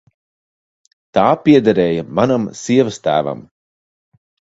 Tā piederēja manam sievastēvam.